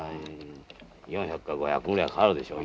４００か５００ぐらいはかかるでしょう。